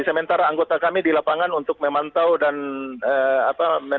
sementara anggota kami di lapangan untuk memantau dan apa